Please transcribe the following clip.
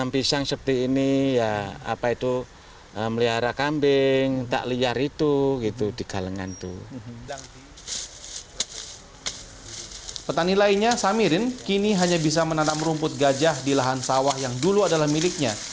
petani lainnya samirin kini hanya bisa menanam rumput gajah di lahan sawah yang dulu adalah miliknya